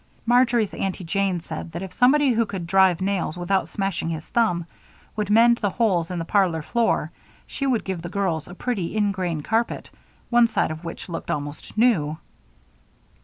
Marjory's Aunty Jane said that if somebody who could drive nails without smashing his thumb would mend the holes in the parlor floor she would give the girls a pretty ingrain carpet, one side of which looked almost new.